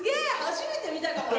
初めて見たかも私。